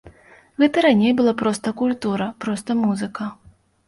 Гэта раней была проста культура, проста музыка.